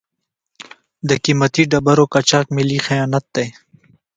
د قیمتي ډبرو قاچاق ملي خیانت دی.